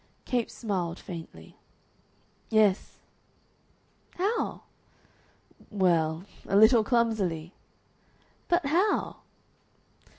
Capes smiled faintly. "Yes." "How?" "Well a little clumsily." "But how?"